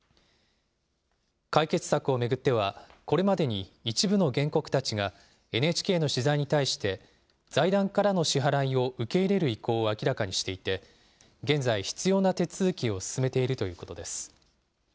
解決策を巡ってはこれまでに、一部の原告たちがＮＨＫの取材に対して、財団からの支払いを受け入れる意向を明らかにしていて、現在、必要な手続きを進めているということです。